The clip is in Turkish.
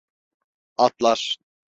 Atlar!